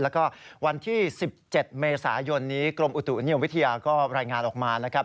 แล้วก็วันที่๑๗เมษายนนี้กรมอุตุนิยมวิทยาก็รายงานออกมานะครับ